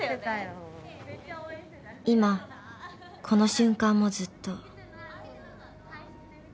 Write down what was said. ［今この瞬間もずっと］